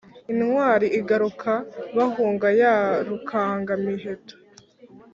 intwari igaruka bahunga ya rukangamiheto